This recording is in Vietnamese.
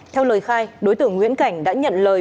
theo lời khai đối tượng nguyễn cảnh đã nhận lời